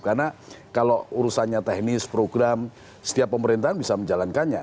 karena kalau urusannya teknis program setiap pemerintahan bisa menjalankannya